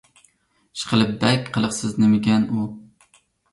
ئىشقىلىپ، بەك قىلىقسىز نېمىكەن ئۇ!